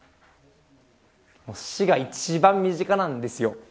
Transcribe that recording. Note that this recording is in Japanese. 市が一番身近なんですよ。